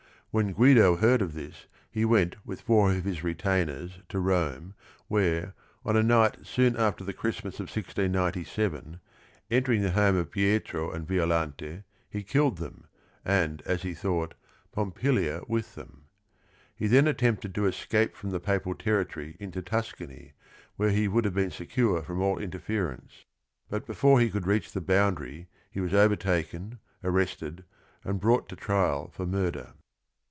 When Guido heard of this he went with four of his retainers to Rome, where, on a night soon after the Christmas of 1697, entering the home of Pietro and Violante, he killed them, and, as he thought, Pompilia, with them. He then attempted to escape from the papal territory into Tuscany where he would have been secure from all interference, but before he could reach the boundary he was overtaken, arrested, and brought to trial for murder.